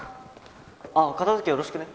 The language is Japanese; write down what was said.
ああ片づけよろしくね。